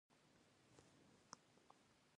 ښوروا له وږې خولې سره خوندوره ده.